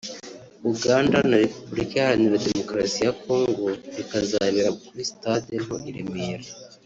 Uganda na Repubulika Iharanira Demokarasi ya Congo rikazabera kuri stade nto i Remera